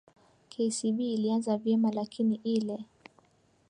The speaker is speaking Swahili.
kcb ilianza vyema lakini ile